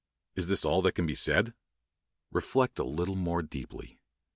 Is this all that can be said? Reflect a little more deeply.